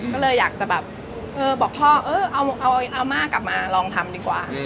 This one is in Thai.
ก็เลยอยากจะบอกพ่อเอาอามากลับมาลองทำดีกว่า